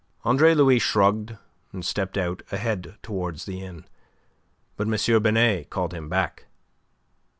Andre Louis shrugged, and stepped out ahead towards the inn. But M. Binet called him back.